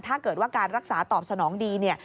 ถ้าเกิดว่าการรักษาตอบสนองดีเนี่ย